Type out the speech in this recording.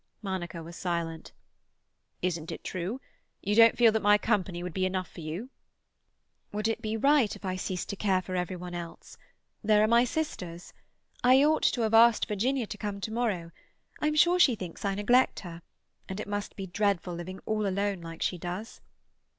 Monica was silent. "Isn't it true? You don't feel that my company would be enough for you?" "Would it be right if I ceased to care for every one else? There are my sisters. I ought to have asked Virginia to come to morrow; I'm sure she thinks I neglect her, and it must be dreadful living all alone like she does."